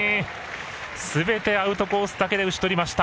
すべてアウトコースだけで打ち取りました。